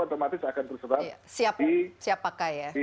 otomatis akan tersebar